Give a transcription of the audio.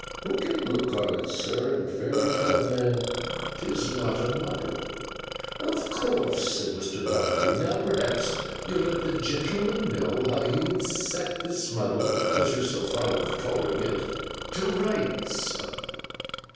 Who can look on 't, sir, and fairly tell a man 'tis not a muddle?' 'Of course,' said Mr. Bounderby. 'Now perhaps you'll let the gentleman know, how you would set this muddle (as you're so fond of calling it) to rights.